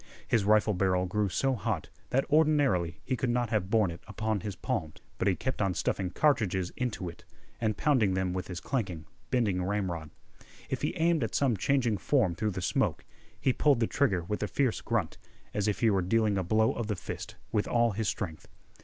His rifle barrel grew so hot that ordinarily he could not have borne it upon his palms; but he kept on stuffing cartridges into it, and pounding them with his clanking, bending ramrod. If he aimed at some changing form through the smoke, he pulled the trigger with a fierce grunt, as if he were dealing a blow of the fist with all his strength.